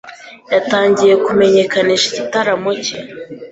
yatagiye kumenyekanisha igitaramo cye